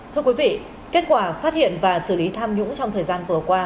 thưa quý vị kết quả phát hiện và xử lý tham nhũng trong thời gian vừa qua